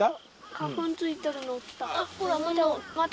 花粉付いてるのいた。